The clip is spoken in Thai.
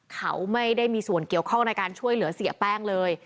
เขาไม่ได้มีส่วนเกี่ยวข้องในการช่วยเหลือเสียแป้งเลย